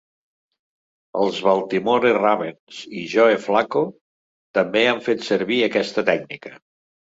Els Baltimore Ravens i Joe Flacco també han fet servir aquesta tècnica.